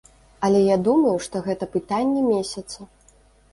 Але я думаю, што гэта пытанне месяца.